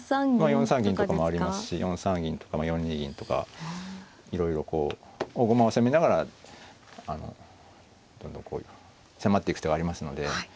４三銀とかもありますし４三銀とか４二銀とかいろいろこう大駒を攻めながらどんどん迫っていく手はありますので。